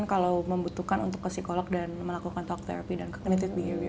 aku masih membutuhkan untuk ke psikolog dan melakukan talk therapy dan ke connected behavior